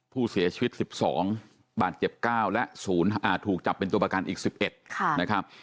ผู้เสียชีวิตสิบสองบาดเจ็บเก้าและศูนย์อ่าถูกจับเป็นตัวประกันอีกสิบเอ็ดค่ะนะครับ